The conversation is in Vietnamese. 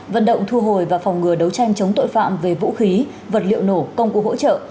vận động thu hồi và phòng ngừa đấu tranh chống tội phạm về vũ khí vật liệu nổ công cụ hỗ trợ